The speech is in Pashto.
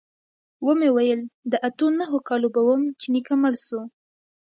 ومې ويل د اتو نهو کالو به وم چې نيکه مړ سو.